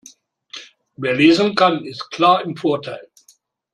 Wer lesen kann, ist klar im Vorteil.